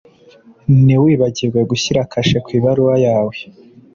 Ntiwibagirwe gushyira kashe ku ibaruwa yawe.